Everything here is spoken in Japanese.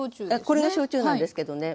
これが焼酎なんですけどね。